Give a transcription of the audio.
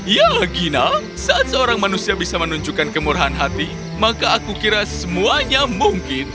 yalah gina saat seorang manusia bisa menunjukkan kemurahan hati maka aku kira semuanya mungkin